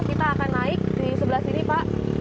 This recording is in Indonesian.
kita akan naik di sebelah sini pak